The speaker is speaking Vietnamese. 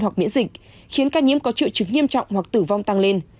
hoặc miễn dịch khiến ca nhiễm có trự trứng nghiêm trọng hoặc tử vong tăng lên